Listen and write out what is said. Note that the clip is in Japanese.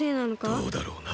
どうだろうな？